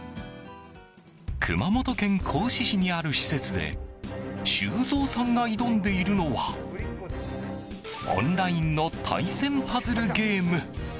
熊本県合志市にある施設で修造さんが挑んでいるのはオンラインの対戦パズルゲーム。